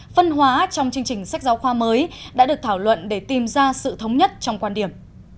phân hóa trong chương trình sách giáo khoa mới đã được thảo luận để tìm ra sự thống nhất trong quan điểm